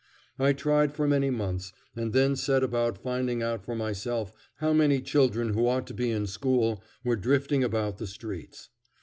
I tried for many months, and then set about finding out for myself how many children who ought to be in school were drifting about the streets.